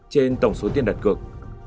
trên tổng số tiền đặt cược